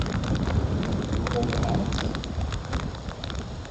You will hold the house?